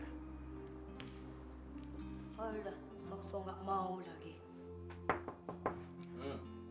alah sok sok gak mau lagi